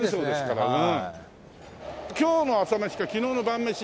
今日の朝飯か昨日の晩飯。